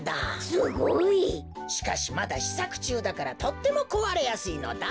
すごい！しかしまだしさくちゅうだからとってもこわれやすいのだ。